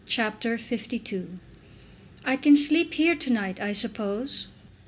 CHAPTER LII "I Can Sleep Here To night, I Suppose?"